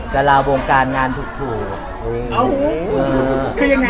จะลาวงกางานถูก